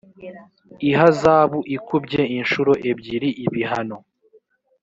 ihazabu ikubye inshuro ebyiri ibihano